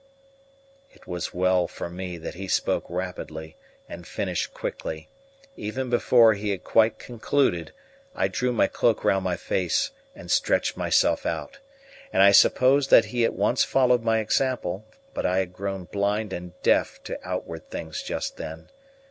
It was well for me that he spoke rapidly, and finished quickly. Even before he had quite concluded I drew my cloak round my face and stretched myself out. And I suppose that he at once followed my example, but I had grown blind and deaf to outward things just then.